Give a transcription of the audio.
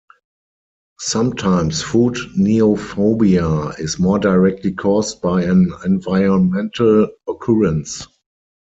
Sometimes food neophobia is more directly caused by an environmental occurrence.